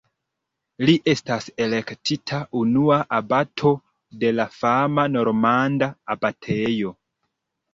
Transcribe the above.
Li estas elektita unua abato de la fama normanda abatejo.